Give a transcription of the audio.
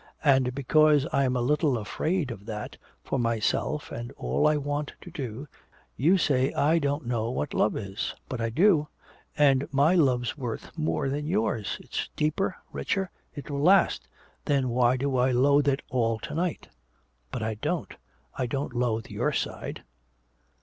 And because I'm a little afraid of that, for myself and all I want to do, you say I don't know what love is! But I do! And my love's worth more than yours! It's deeper, richer, it will last!... Then why do I loathe it all to night?... But I don't, I only loathe your side!...